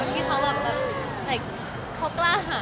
ที่เขาแบบเขากล้าหา